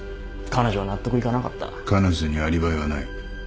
彼女にアリバイはない。